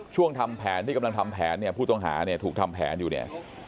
ทำแผนที่กำลังทำแผนเนี่ยผู้ต้องหาเนี่ยถูกทำแผนอยู่เนี่ย